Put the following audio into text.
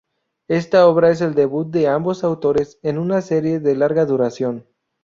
Esta obra es el debut de ambos autores en una serie de larga duración.